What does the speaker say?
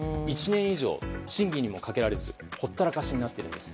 １年以上審議にもかけられずほったらかしになっているんです。